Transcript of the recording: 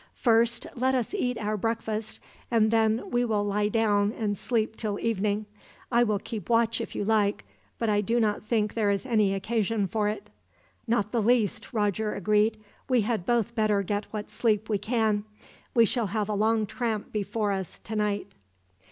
First, let us eat our breakfast; and then we will lie down, and sleep till evening. I will keep watch if you like, but I do not think there is any occasion for it." "Not the least," Roger agreed. "We had both better get what sleep we can. We shall have a long tramp before us, tonight."